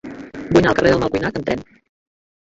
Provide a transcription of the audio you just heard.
Vull anar al carrer del Malcuinat amb tren.